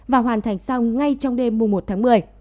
và hoàn thành xong ngay trong đêm mùa một tháng một mươi